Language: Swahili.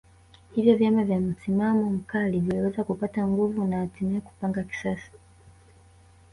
Hivyo vyama vya msimamo mkali viliweza kupata nguvu na hatimaye kupanga kisasi